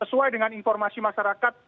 sesuai dengan informasi masyarakat